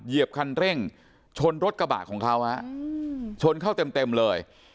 เหยียบคันเร่งชนรถกระบะของเขาฮะชนเข้าเต็มเลย